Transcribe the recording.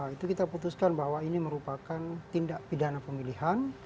itu kita putuskan bahwa ini merupakan tindak pidana pemilihan